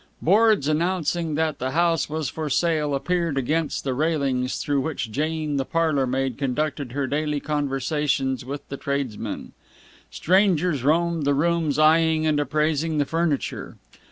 Boards announcing that the house was for sale appeared against the railings through which Jane the parlourmaid conducted her daily conversations with the tradesmen. Strangers roamed the rooms eyeing and appraising the furniture.